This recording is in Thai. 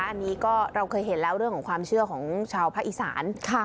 อันนี้ก็เราเคยเห็นแล้วเรื่องของความเชื่อของชาวภาคอีสาน